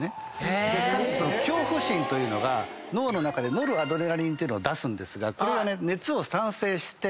かつ恐怖心というのが脳の中でノルアドレナリンっていうのを出すんですがこれがね熱を産生して。